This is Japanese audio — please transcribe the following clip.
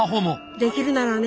できるならね。